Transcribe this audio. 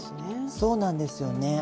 そうなんですよね。